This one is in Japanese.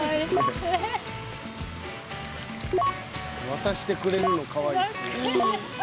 「渡してくれるのかわいいっすね」